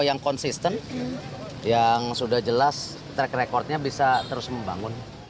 yang konsisten yang sudah jelas track recordnya bisa terus membangun